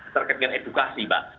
terkait dengan edukasi pak